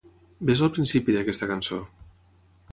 Ves al principi d'aquesta cançó.